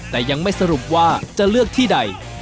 แต่ยังไม่สรุปว่าจะเลือกที่ใด